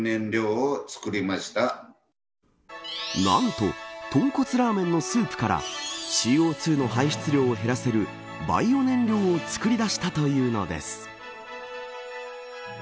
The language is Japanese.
なんと豚骨ラーメンのスープからＣＯ２の排出量を減らせるバイオ燃料を作り出したというのです。